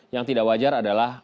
yang tidak wajar adalah